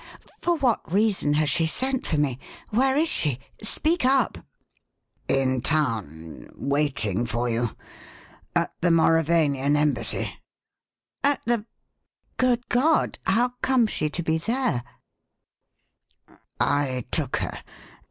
For what reason has she sent for me? Where is she? Speak up!" "In town. Waiting for you. At the Mauravanian embassy." "At the Good God! How comes she to be there?" "I took her.